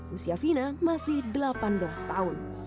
usia fina masih delapan belas tahun